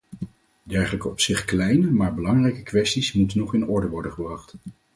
Dergelijke op zich kleine maar belangrijke kwesties moeten nog in orde worden gebracht.